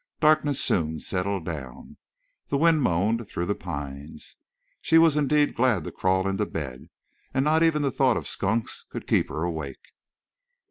Darkness soon settled down. The wind moaned through the pines. She was indeed glad to crawl into bed, and not even the thought of skunks could keep her awake.